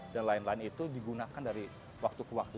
lain lain itu digunakan dari waktu ke waktu